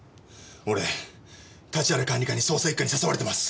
俺立原管理官に捜査一課に誘われてます。